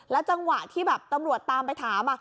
แล้วจังหวะที่ตำรวจตามไปถาม